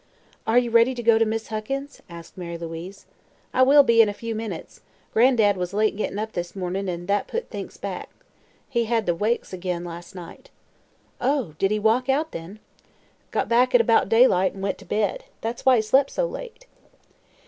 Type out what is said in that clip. "Are you ready to go to Miss Huckins'?" asked Mary Louise. "I will be, in a few minutes. Gran'dad was late gett'n' up this mornin' and that put things back. He had the 'wakes' ag'in last night." "Oh; did he walk out, then?" "Got back at about daylight and went to bed. That's why he slep' so late."